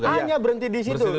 hanya berhenti di situ